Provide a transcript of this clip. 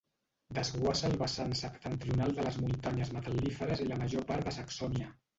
Desguassa el vessant septentrional de les Muntanyes Metal·líferes i la major part de Saxònia.